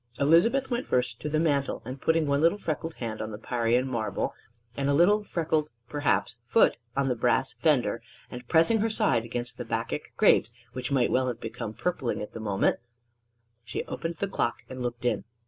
Elizabeth went first to the mantel, and putting one little freckled hand on the Parian marble, and a little freckled (perhaps) foot on the brass fender, and pressing her side against the Bacchic grapes (which might well have become purpling at the moment), she opened the clock and looked in.